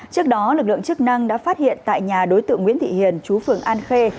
trước đó lực lượng chức năng đã phát hiện tại nhà đối tượng nguyễn thị hiền chú phường an khê